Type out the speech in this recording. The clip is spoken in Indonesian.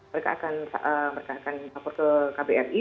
mereka akan lapor ke kbri